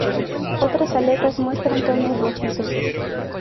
Otras aletas muestran tonos rojizos.